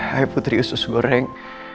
hai putri usus goreng